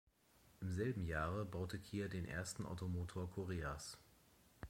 Im selben Jahre baute Kia den ersten Ottomotor Koreas.